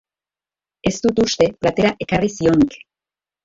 Ez dut uste platera ekarri zionik.